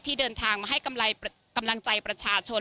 เดินทางมาให้กำลังใจประชาชน